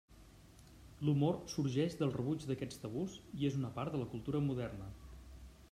L'humor sorgeix del rebuig d'aquests tabús, i és una part de la cultura moderna.